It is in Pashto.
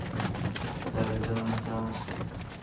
دا لیدنه ناکامه شوه.